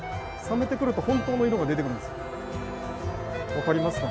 分かりますか？